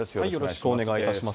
よろしくお願いします。